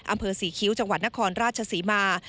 อำเภอศรีคิ้วจังหวัดนครราชศรีมา